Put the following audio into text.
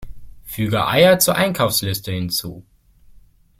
Füge Eier zur Einkaufsliste hinzu!